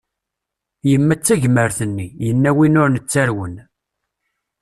Yemma d tagmert-nni, yenna win ur nettarwen.